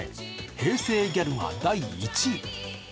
平成ギャルが第１位。